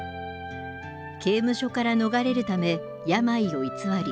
刑務所から逃れるため病を偽り